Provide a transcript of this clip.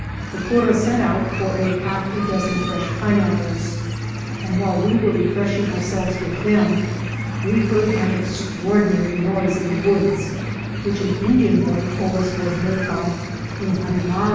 The cura sent out for half a dozen fresh pineapples ; and while we were refresh ing ourselves with them we heard an extraordinary noise in the woods, which an Indian boy told us was made by " un animal."